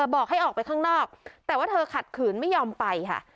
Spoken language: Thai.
บอกให้ออกไปข้างนอกแต่ว่าเธอขัดขืนไม่ยอมไปค่ะ